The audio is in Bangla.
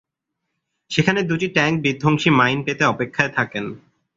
সেখানে দুটি ট্যাংক-বিধ্বংসী মাইন পেতে অপেক্ষায় থাকেন।